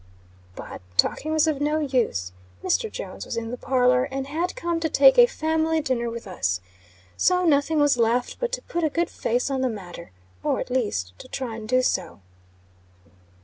But, talking was of no use. Mr. Jones was in the parlor, and had come to take a family dinner with us. So, nothing was left but to put a good face on the matter; or, at least, to try and do so.